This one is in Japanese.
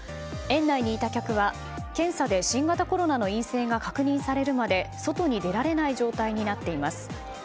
園内にいた客は検査で新型コロナの陰性が確認されるまで、外に出られない状態になっています。